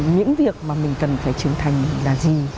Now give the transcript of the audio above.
những việc mà mình cần phải trưởng thành là gì